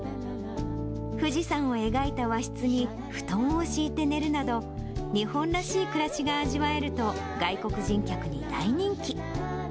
富士山を描いた和室に布団を敷いて寝るなど、日本らしい暮らしが味わえると外国人客に大人気。